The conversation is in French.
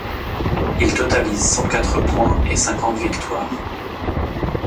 Ils totalisent cent-quatre points et cinquante victoires.